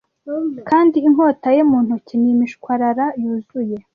kandi inkota ye mu ntoki ni imishwarara yuzuye